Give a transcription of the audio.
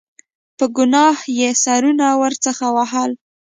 په ګناه یې سرونه ورڅخه وهل.